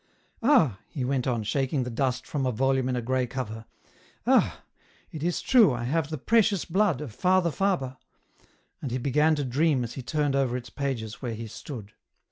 " Ah !" he went on, shaking the dust from a volume in a grey cover ;" ah ! it is true I have The Precious Blood, of Father Faber." And he began to dream as he turned over its pages where he stood.